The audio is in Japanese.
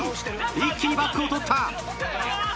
一気にバックをとった。